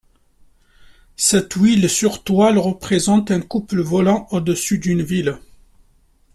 Cette huile sur toile représente un couple volant au-dessus d'une ville.